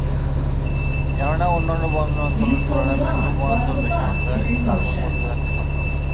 কেননা, অন্যান্য বনাঞ্চলের তুলনায় ম্যানগ্রোভ বনাঞ্চল বেশি মাত্রায় কার্বন মজুত রাখতে সক্ষম।